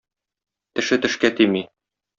Теше тешкә тими.